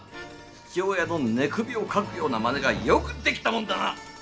父親の寝首をかくようなまねがよくできたもんだな！